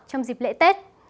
trong dịp lễ tết